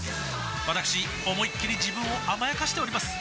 わたくし思いっきり自分を甘やかしております